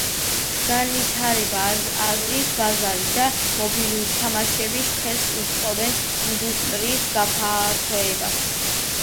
განვითარებადი აზიის ბაზარი და მობილური თამაშები ხელს უწყობენ ინდუსტრიის გაფართოებას.